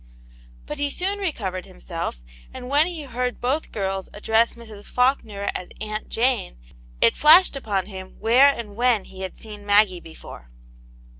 But he soon recovered himself, and when he heard both girls address Mrs. Faulkner as "Aunt Jane," it flashed upon him where and when he had seen Maggie before.